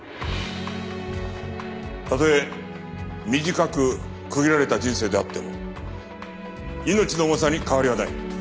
たとえ短く区切られた人生であっても命の重さに変わりはない。